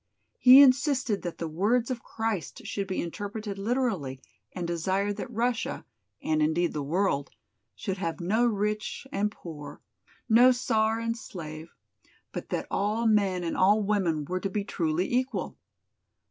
He insisted that the words of Christ should be interpreted literally and desired that Russia, and indeed the world, should have no rich and poor, no Czar and slave, but that all men and all women were to be truly equal.